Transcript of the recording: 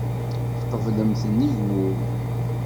Tqeblemt nnig wul.